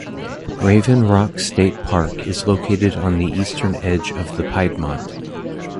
Raven Rock State Park is located on the eastern edge of the Piedmont.